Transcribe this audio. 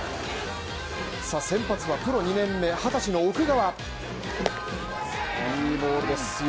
さあ先発はプロ２年目２０歳の奥川。